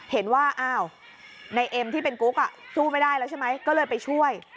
เห็นว่าอ้าวในเอ็มที่เป็นกุ๊กสู้ไม่ได้แล้วใช่ไหมก็เลยไปช่วย